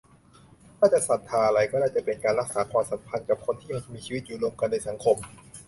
ถ้าจะศรัทธาอะไร ก็น่าจะเป็น การรักษาความสัมพันธ์กับคนที่ยังมีชีวิตอยู่ร่วมกันในสังคม